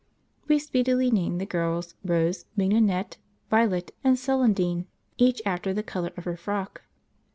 We speedily named the girls Rose, Mignonette, Violet, and Celandine, each after the colour of her frock.